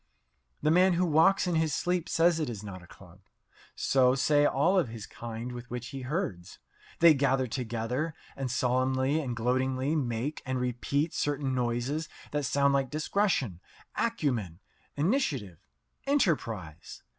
The man who walks in his sleep says it is not a club. So say all of his kind with which he herds. They gather together and solemnly and gloatingly make and repeat certain noises that sound like "discretion," "acumen," "initiative," "enterprise."